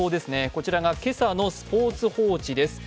こちらが今朝の「スポーツ報知」です。